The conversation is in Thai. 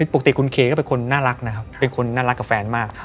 ปกติคุณเคก็เป็นคนน่ารักนะครับเป็นคนน่ารักกับแฟนมาก